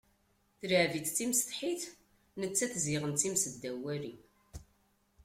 Tleɛɛeb-itt d timsetḥit, nettat ziɣen d times ddaw walim.